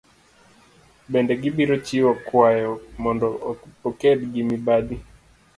Bende gibiro chiwo kwayo mondo oked gi mibadhi.